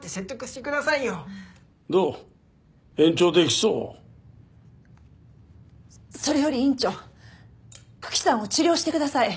そそれより院長九鬼さんを治療してください！